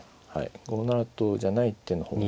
５七とじゃない手の方が。